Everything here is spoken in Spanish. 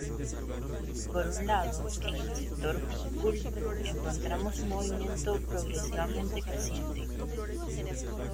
Por un lado, en el sector culto encontramos un movimiento progresivamente creciente.